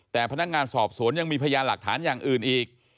แต่พนักงานสอบสวนยังมีพยานหลักฐานอย่างอื่นอีก